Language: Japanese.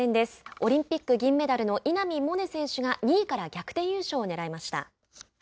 オリンピック銀メダルの稲見萌寧選手が、２位から逆転優勝をねらいました。